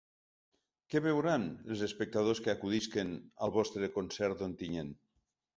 Què veuran els espectadors que acudisquen al vostre concert d’Ontinyent?